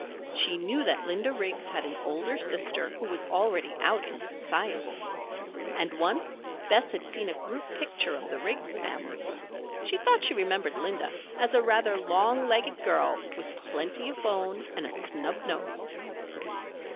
She knew that Linda Riggs had an older sister who was already out in society. And once Bess had seen a group picture of the Riggs family. She thought she remembered Linda as a rather long legged girl with plenty of bone and a snub nose.